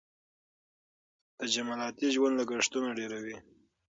تجملاتي ژوند لګښتونه ډېروي.